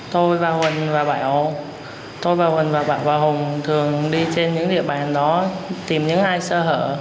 tôi và huỳnh và bảo tôi và vân và bảo và hùng thường đi trên những địa bàn đó tìm những ai sơ hở